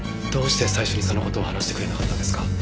どうして最初にその事を話してくれなかったんですか？